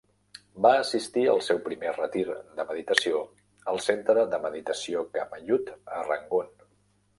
Va assistir al seu primer retir de meditació al centre de meditació Kamayut a Rangun.